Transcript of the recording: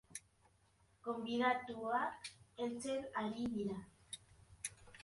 Gonbidatuak heltzen ari dira.